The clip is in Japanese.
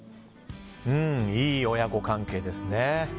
いい親子関係ですね。